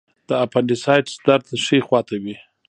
د اپنډیسایټس درد ښي خوا ته وي.